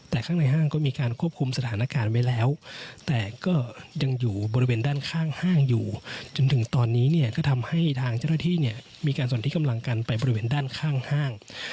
แต่ข้างในห้างก็มีการควบคุมสถานการณ์ไว้แล้วแต่ก็ยังอยู่บริเวณด้านข้างห้างอยู่จนถึงตอนนี้เนี่ยก็ทำให้ทางเจ้าหน้าที่เนี่ยมีการส่วนที่กำลังกันไปบริเวณด้านข้างห้าง